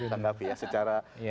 tentang topografi ya